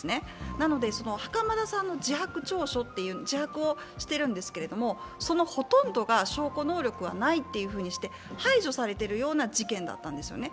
なので、袴田さんの自白調書という自白をしているんですけれども、そのほとんどが証拠能力がないとして排除されている事件だったんですね。